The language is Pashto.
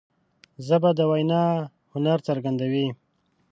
ژبه د وینا هنر څرګندوي